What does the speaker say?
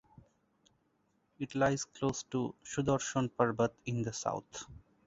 It lies close to Sudarshan Parbat in the south.